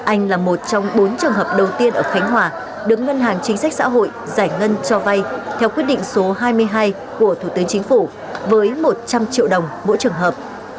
anh là một trong bốn trường hợp đầu tiên ở khánh hòa đứng ngân hàng chính sách xã hội giải ngân cho vay theo quyết định số hai mươi hai của thủ tướng chính phủ với một trăm linh triệu đồng mỗi trường hợp